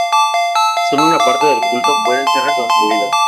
Solo una parte del culto puede ser reconstruida.